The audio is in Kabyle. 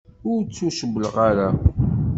Ur ttucewwleɣ ara.